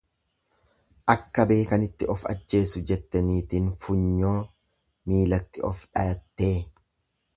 Akka beekanitti of ajjeesu jette niitiin funyoo miilatti of dhayattee.